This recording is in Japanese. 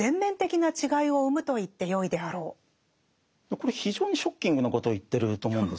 これ非常にショッキングなことを言ってると思うんですね。